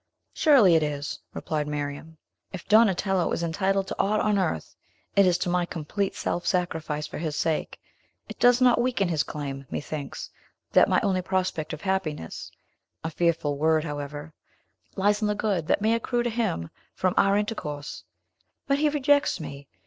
"Surely it is," replied Miriam. "If Donatello is entitled to aught on earth, it is to my complete self sacrifice for his sake. It does not weaken his claim, methinks, that my only prospect of happiness a fearful word, however lies in the good that may accrue to him from our intercourse. But he rejects me!